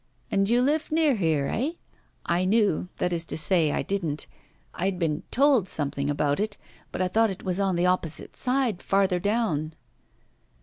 And you live near here, eh? I knew that is to say, I didn't. I had been told something about it, but I thought it was on the opposite side, farther down.